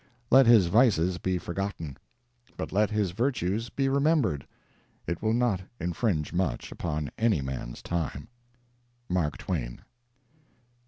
Let his vices be forgotten, but let his virtues be remembered: it will not infringe much upon any man's time. MARK TWAIN.